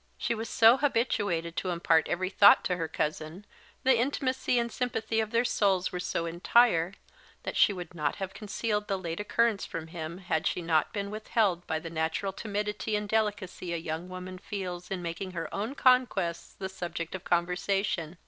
She was so habituated to impart every thought to her cousin, the intimacy and sympathy of their souls were so entire, that she would not have concealed the late occurrence from him had she not been withheld by the natural timidity and delicacy a young woman feels in making her own conquests the subject of conversation.